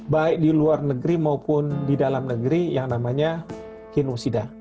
baik di luar negeri maupun di dalam negeri yang namanya genosida